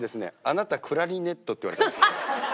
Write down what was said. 「あなたクラリネット」って言われたんですよ。